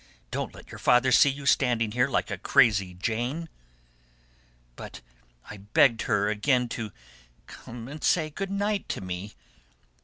Don't let your father see you standing there like a crazy jane!" But I begged her again to "Come and say good night to me!"